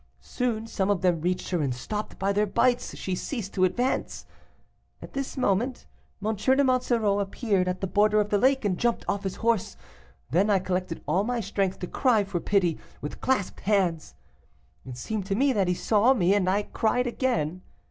Soon some of them reached her, and, stopped by their bites, she ceased to advance. At this moment, M. de Monsoreau appeared at the border of the lake, and jumped off his horse. Then I collected all my strength to cry for pity, with clasped hands. It seemed to me that he saw me, and I cried again.